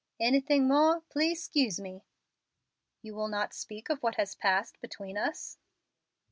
"Anything more, please 'scuse me." "You will not speak of what has passed between us?"